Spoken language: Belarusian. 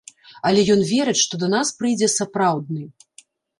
Але ён верыць, што да нас прыйдзе сапраўдны.